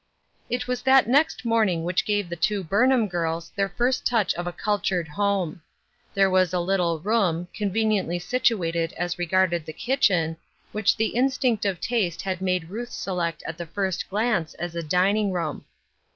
It was that next morning which gave the two Burnham girls their first touch of a cultured ^ome. There was a little room, conveniently situated as regarded the kitchen, which the instinct of taste had made Ruth select at the first glance as a dining room.